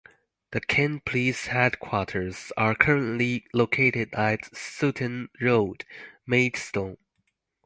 The Kent Police headquarters are currently located at Sutton Road, Maidstone.